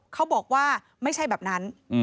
เขาบอกว่าไม่ใช่แบบนั้น